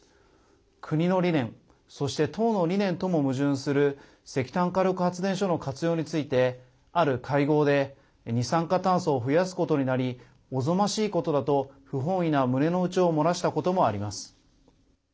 国の理念そして党の理念とも矛盾する石炭火力発電所の活用についてある会合で二酸化炭素を増やすことになりおぞましいことだと不本意な胸の内をもらしたこともあります。